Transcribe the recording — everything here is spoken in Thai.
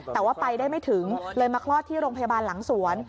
แต่ว่าไปได้ไม่ถึงเลยมาคลอดที่โรงพยาบาลหลังสวน